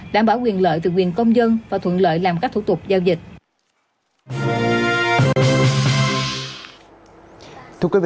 đảm bảo quyền lợi từ quyền công dân và thuận lợi làm các thủ tục giao dịch